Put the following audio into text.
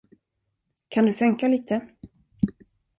Kan du sänka lite?